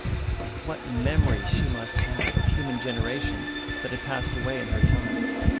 And what memories she must have of human generations that had passed away in her time.